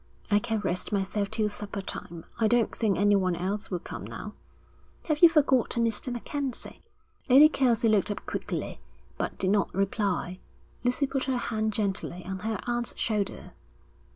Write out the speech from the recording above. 'I can rest myself till supper time. I don't think anyone else will come now.' 'Have you forgotten Mr. MacKenzie?' Lady Kelsey looked up quickly, but did not reply. Lucy put her hand gently on her aunt's shoulder.